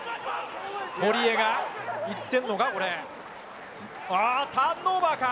堀江が行ってるのか？